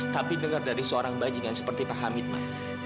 tapi dengar dari seorang bajingan seperti pak hamid mah